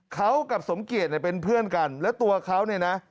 เขากับสมเกียจเนี่ยเป็นเพื่อนกันแล้วตัวเขาเนี่ยนะ